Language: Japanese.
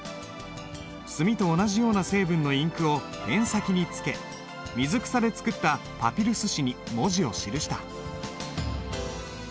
墨と同じような成分のインクをペン先につけ水草で作ったパピルス紙に文字を記した。